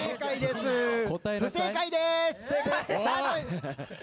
不正解です！